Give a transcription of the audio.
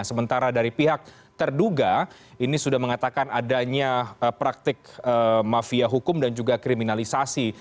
sementara dari pihak terduga ini sudah mengatakan adanya praktik mafia hukum dan juga kriminalisasi